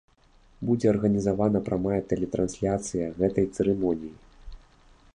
Будзе арганізавана прамая тэлетрансляцыя гэтай цырымоніі.